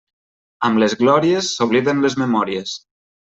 Amb les glòries, s'obliden les memòries.